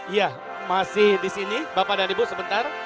ya masih disini bapak dan ibu sebentar